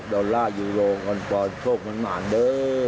ดอลลาร์ยูโรงอนฟอนด์โชคหม่านเด้อ